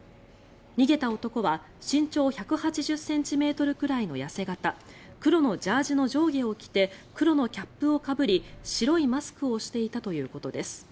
逃げた男は身長１８０ｃｍくらいの痩せ形黒のジャージーの上下を着て黒のキャップをかぶり白いマスクをしていたということです。